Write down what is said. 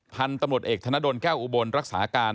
พันธุ์ตำรวจเอกธนดลแก้วอุบลรักษาการ